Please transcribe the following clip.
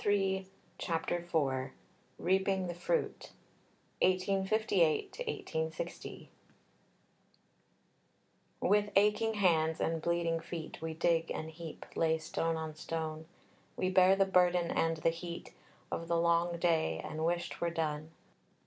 _" CHAPTER IV REAPING THE FRUIT (1858 1860) With aching hands, and bleeding feet We dig and heap, lay stone on stone; We bear the burden and the heat Of the long day, and wish 'twere done.